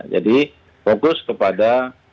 jadi fokus kepada